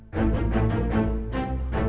baik indri mau makan